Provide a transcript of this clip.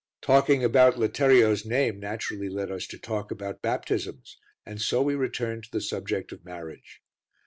Talking about Letterio's name naturally led us to talk about baptisms, and so we returned to the subject of marriage.